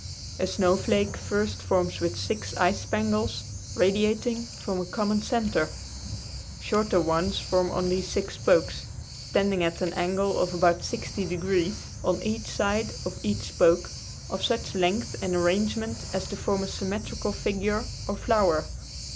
A snowflake first forms with six ice spangles, radiating from a common center. Shorter ones form on these six spokes, standing at an angle of about sixty degrees, on each side of each spoke, of such length and arrangement as to form a symmetrical figure or flower.